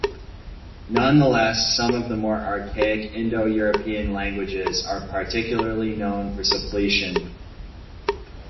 Nonetheless, some of the more archaic Indo-European languages are particularly known for suppletion.